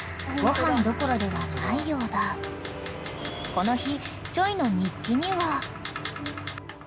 ［この日］